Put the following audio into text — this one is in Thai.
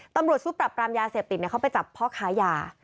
ตำรวจชุดปรับปรามยาเสพติดเขาไปจับพ่อค้ายา